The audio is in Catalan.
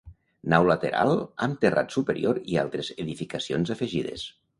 Nau lateral amb terrat superior i altres edificacions afegides.